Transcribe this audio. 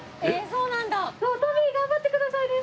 そう頑張ってくださいね。